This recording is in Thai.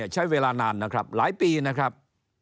ใช้เวลานานนะครับหลายปีนะครับ